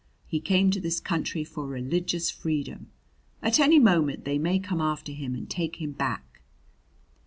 He came to this country for religious freedom; at any moment they may come after him and take him back."